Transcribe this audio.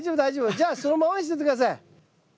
じゃあそのままにしといて下さい。